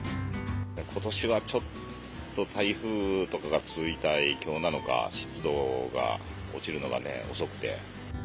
ことしはちょっと、台風とかが続いた影響なのか、湿度が落ちるのがね、遅くて。